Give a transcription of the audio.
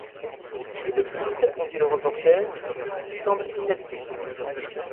Et de plus, répondit le reporter, il semble inhabité